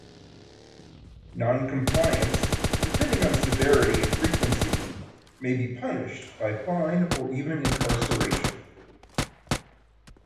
Noncompliance, depending on severity and frequency, may be punished by fine or even incarceration.